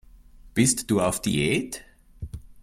Bist du auf Diät?